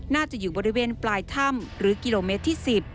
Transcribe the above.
น่าจะอยู่บริเวณปลายถ้ำหรือกิโลเมตรที่๑๐